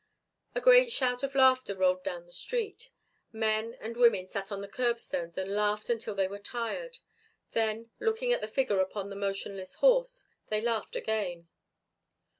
A great shout of laughter rolled down the street. Men and women sat on the curbstones and laughed until they were tired. Then, looking at the figure upon the motionless horse, they laughed again.